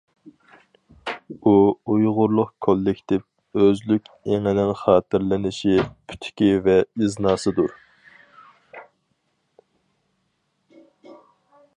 ئۇ ئۇيغۇرلۇق كوللېكتىپ ئۆزلۈك ئېڭىنىڭ خاتىرىلىنىشى، پۈتۈكى ۋە ئىزناسىدۇر.